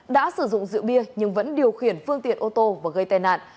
đã sử dụng rượu bia nhưng vẫn điều khiển phương tiện ô tô và gây tai nạn